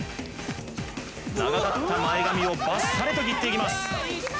長かった前髪をバッサリと切っていきます